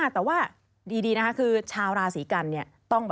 แต่ว่าดีนะคะคือชาวราศรีกัณฑ์